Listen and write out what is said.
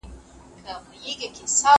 زه اوږده وخت ليکلي پاڼي ترتيب کوم!